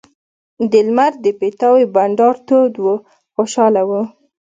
د لمر د پیتاوي بنډار تود و خوشاله وو.